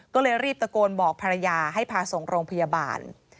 ก็เลยรีบตะโกนบอกภรรยาให้พาส่งโรงพยาบาล